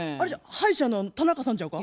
歯医者の田中さんちゃうか？